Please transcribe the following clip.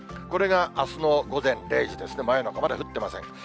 これがあすの午前０時ですね、真夜中、まだ降ってません。